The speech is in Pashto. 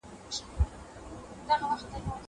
زه مخکي تمرين کړي وو!